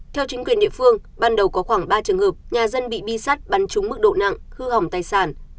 theo chính quyền địa phương ban đầu có khoảng ba trường hợp nhà dân bị bi sắt bắn trúng mức độ nặng hư hỏng tài sản